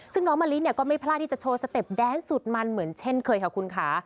ซึ่งน้องมะลิเนี่ยก็ไม่พลาดที่จะโชว์สเต็ปแดนสุดมันเหมือนเช่นเคยค่ะคุณค่ะ